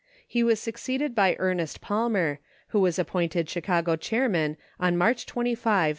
He was succeeded by Ernest Palmer, who was appointed Chicago Chairman on March 25, 1918.